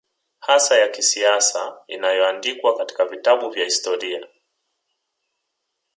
hasa ya kisiasa inayoandikwa katika vitabu vya historia